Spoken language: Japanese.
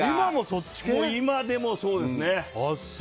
今でもそうです。